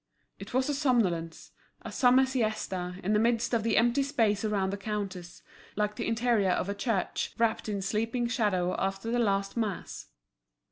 It was a somnolence, a summer siesta, in the midst of the empty space around the counters, like the interior of a church wrapt in sleeping shadow after the last mass.